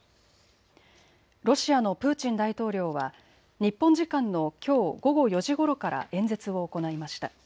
ロシアのプーチン大統領は日本時間のきょう午後４時ごろから演説を行いました。